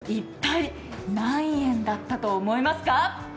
一体、何円だったと思いますか？